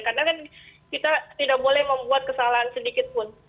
karena kan kita tidak boleh membuat kesalahan sedikit pun